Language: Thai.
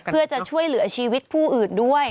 เพื่อจะช่วยเหลือชีวิตผู้อื่นด้วย